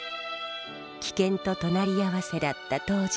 危険と隣り合わせだった当時の旅。